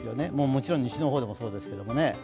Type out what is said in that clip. もちろん西の方でもそうですけど。